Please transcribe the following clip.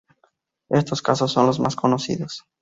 Estos casos son los más conocidos.